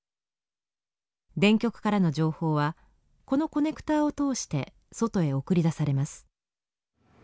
電極からの情報はこのコネクターを通して外へ送り出されます。